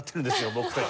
僕たち。